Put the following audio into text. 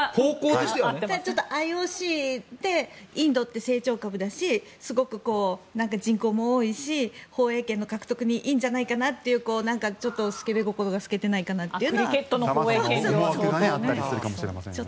でもＩＯＣはインドって成長株だし人口も多いし放映権の獲得にいいんじゃないかなというすけべ心が透けていないかなという。